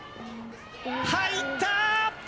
入った！